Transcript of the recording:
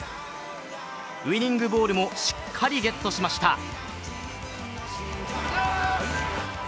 ウイニングボールもしっかりゲットしました。